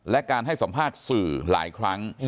และการให้สัมภาษณ์สื่อหลายครั้ง